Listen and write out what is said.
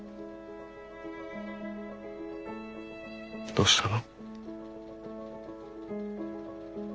どうしたの？